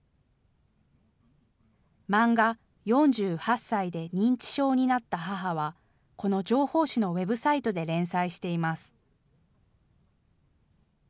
漫画、４８歳で認知症になった母はこの情報誌のＷＥＢサイトで連載しています。